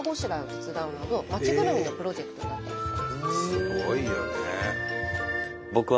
すごいよね。